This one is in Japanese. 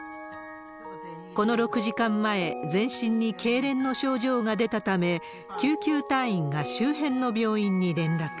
この６時間前、全身にけいれんの症状が出たため、救急隊員が周辺の病院に連絡。